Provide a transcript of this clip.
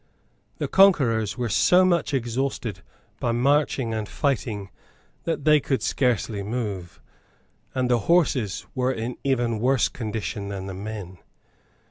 The conquerors were so much exhausted by marching and fighting that they could scarcely move; and the horses were in even worse condition than the men.